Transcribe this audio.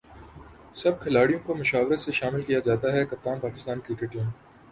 سب کھلاڑیوں کومشاورت سےشامل کیاجاتاہےکپتان پاکستان کرکٹ ٹیم